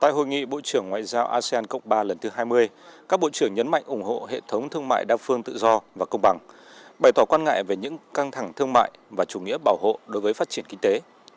tại hội nghị bộ trưởng ngoại giao asean cộng ba lần thứ hai mươi các bộ trưởng nhấn mạnh ủng hộ hệ thống thương mại đa phương tự do và công bằng bày tỏ quan ngại về những căng thẳng thương mại và chủ nghĩa bảo hộ đối với phát triển kinh tế